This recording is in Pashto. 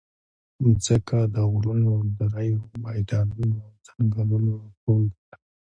مځکه د غرونو، دریو، میدانونو او ځنګلونو ټولګه ده.